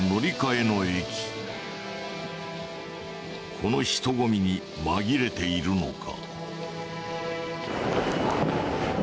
この人混みに紛れているのか？